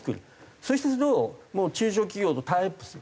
そしてそれを中小企業とタイアップする。